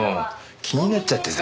気になっちゃってさ。